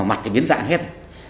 mặt thì biến dạng hết